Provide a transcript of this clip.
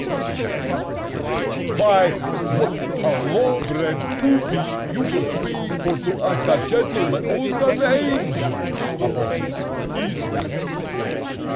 ejaculated the thing, "vy vat a low bred buppy you mos pe vor to ask a gentleman und an angel apout his pizziness!"